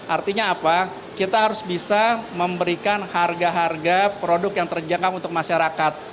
artinya apa kita harus bisa memberikan harga harga produk yang terjangkau untuk masyarakat